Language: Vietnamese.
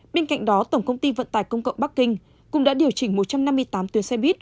bên cạnh đó tổng công ty vận tải công cộng bắc kinh cũng đã điều chỉnh một trăm năm mươi tám tuyến xe buýt